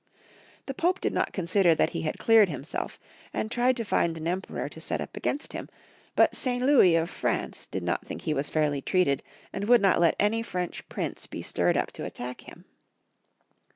The Pope did not consider Friedrich IL 179 that he had cleared himself, and tried to find an Emperor to set up against him ; but St. Louis of France did not think he was fairly treated, and would not let any French prince be stirred up to attack him.